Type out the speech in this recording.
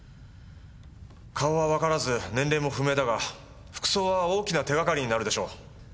顔はわからず年齢も不明だが服装は大きな手がかりになるでしょう。